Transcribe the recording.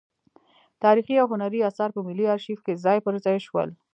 تاریخي او هنري اثار په ملي ارشیف کې ځای پر ځای شول.